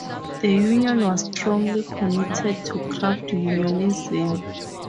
The union was strongly committed to craft unionism.